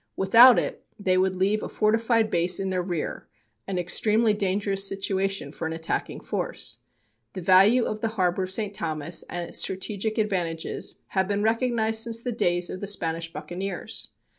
Without it they would leave a fortified base in their rear, an extremely dangerous situation for an attacking force. The value of the harbor of St. Thomas and its strategic advantages have been recognized since the days of the Spanish buccaneers.